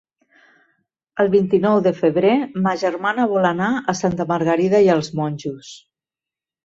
El vint-i-nou de febrer ma germana vol anar a Santa Margarida i els Monjos.